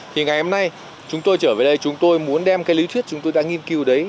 thì ngày hôm nay chúng tôi trở về đây chúng tôi muốn đem cái lý thuyết chúng tôi đã nghiên cứu đấy